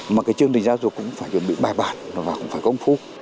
mà cái chương trình giáo dục cũng phải chuẩn bị bài bản và cũng phải công phu